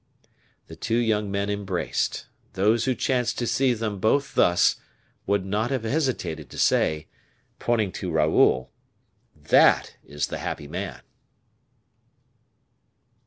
The two young men embraced. Those who chanced to see them both thus, would not have hesitated to say, pointing to Raoul, "That is the happy man!"